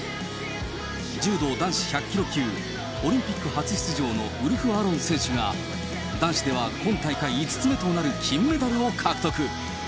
柔道男子１００キロ級、オリンピック初出場のウルフ・アロン選手が、男子では今大会５つ目となる金メダルを獲得。